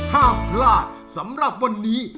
ห้ามพลาดสำหรับวันนี้